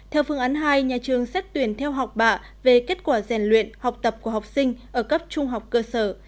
theo phương án hai nhà trường xét tuyển theo học bạ về kết quả rèn luyện học tập của học sinh ở cấp trung học cơ sở